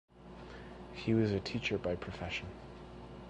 He was a teacher by profession.